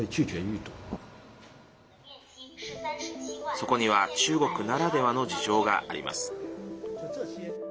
そこには中国ならではの事情があります。